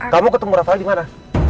kamu ketemu rafael dimana